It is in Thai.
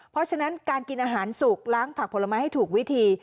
เพราะฉะนั้นการกินอาหารสุกล้างผักผลไม้ให้ถูกวิธี